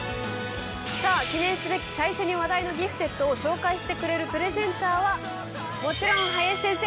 さぁ記念すべき最初に話題のギフテッドを紹介してくれるプレゼンターはもちろん林先生